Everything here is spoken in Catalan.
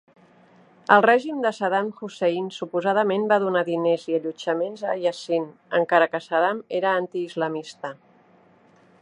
El règim de Saddam Hussein suposadament va donar diners i allotjaments a Yasin, encara que Saddam era anti-islamista.